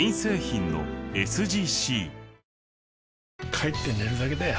帰って寝るだけだよ